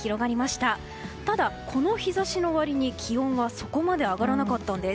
ただ、この日差しの割に気温はそこまで上がらなかったんです。